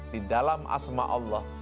di dalam asma allah